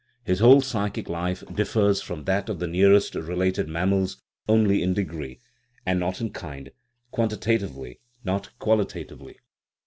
His whole psychic life differs from that of the nearest related mam mals only in degree, and not in kind ; quantitatively, not qualitatively.